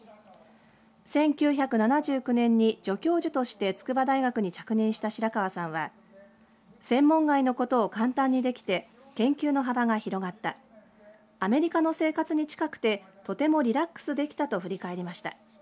１９７９年に助教授として筑波大学に着任した白川さんは専門外のことを簡単にできて研究の幅が広がったアメリカの生活に近くてとてもリラックスできたと振り返りました。